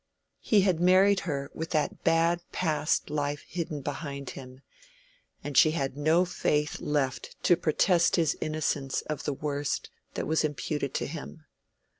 He had married her with that bad past life hidden behind him, and she had no faith left to protest his innocence of the worst that was imputed to him.